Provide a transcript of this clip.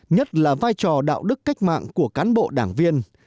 nhất là vai trò đạo đức cách mạng của cán bộ đảng viên